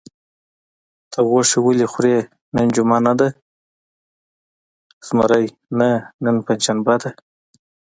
ته غوښې ولې خورې؟ نن جمعه نه ده؟ زمري: نه، نن پنجشنبه ده.